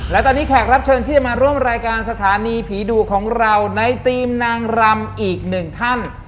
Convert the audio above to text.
และตอนนี้แขกรับเชิญที่จะมาร่วมรายการสถานีผีดุของเราในทีมนางรำอีกหนึ่งท่าน